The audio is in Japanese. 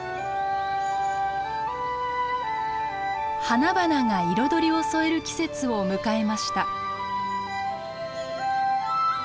花々が彩りを添える季節を迎えました。